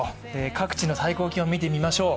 各地の最高気温を見てみましょう。